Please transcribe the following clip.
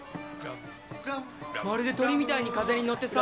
まるで鳥みたいに風にのってさ！